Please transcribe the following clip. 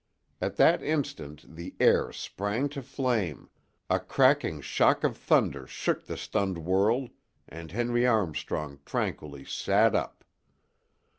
At that instant the air sprang to flame, a cracking shock of thunder shook the stunned world and Henry Armstrong tranquilly sat up.